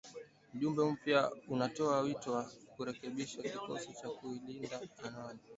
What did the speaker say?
Mjumbe mpya anatoa wito wa kurekebishwa kikosi cha kulinda amani